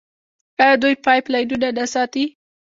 آیا دوی پایپ لاینونه نه ساتي؟